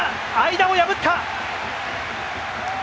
間を破った！